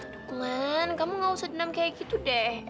duh glenn kamu gak usah dendam kayak gitu deh